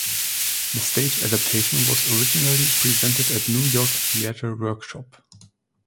The stage adaptation was originally presented at New York Theatre Workshop.